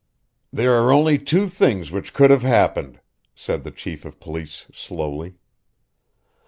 "There are only two things which could have happened," said the chief of police slowly.